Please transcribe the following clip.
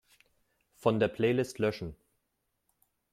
Von der Playlist löschen.